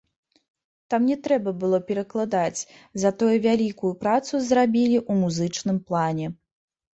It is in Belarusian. Там не трэба было перакладаць, затое вялікую працу зрабілі ў музычным плане.